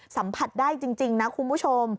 สัมผัสได้จริงนะคุณผู้ชม